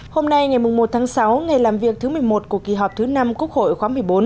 hôm nay ngày một tháng sáu ngày làm việc thứ một mươi một của kỳ họp thứ năm quốc hội khóa một mươi bốn